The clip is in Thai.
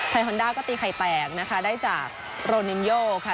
ฮอนด้าก็ตีไข่แตกนะคะได้จากโรนินโยค่ะ